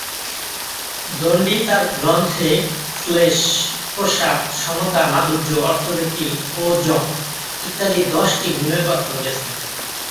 দন্ডী তাঁর গ্রন্থে শ্লেষ, প্রসাদ, সমতা, মাধুর্য, অর্থব্যক্তি, ওজঃ ইত্যাদি দশটি গুণের কথা বলেছেন।